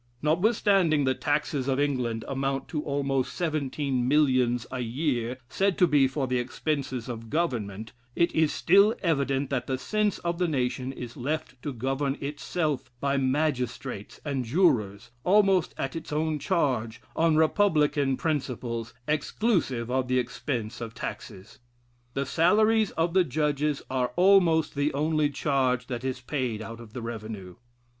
Notwithstanding the taxes of England amount to almost seventeen millions a year, said to be for the expenses of Government, it is still evident that the sense of the nation is left to govern itself by magistrates and jurors, almost at its own charge, on Republican principles, exclusive of the expense of taxes. The salaries of the judges are almost the only charge that is paid out of the revenue.